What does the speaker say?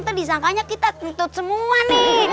tadi sangkanya kita kentut semua nih